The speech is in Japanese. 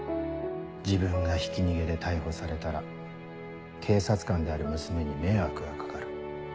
自分がひき逃げで逮捕されたら警察官である娘に迷惑が掛かる。